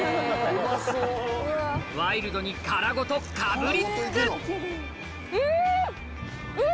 ワイルドに殻ごとかぶりつくん！